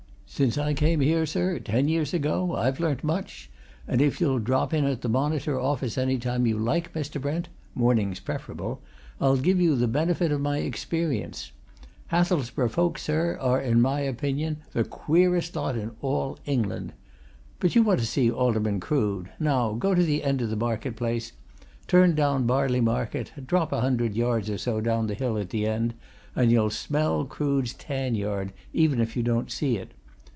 Since I came here, sir, ten years ago, I've learnt much and if you'll drop in at the Monitor office any time you like, Mr. Brent mornings preferable I'll give you the benefit of my experience: Hathelsborough folk, sir, are, in my opinion, the queerest lot in all England. But you want to see Alderman Crood now, go to the end of the market place, turn down Barley Market, and drop a hundred yards or so down the hill at the end then you'll smell Crood's tan yard, even if you don't see it.